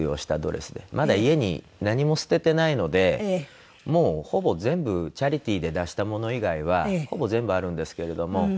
まだ家に何も捨ててないのでもうほぼ全部チャリティーで出したもの以外はほぼ全部あるんですけれども。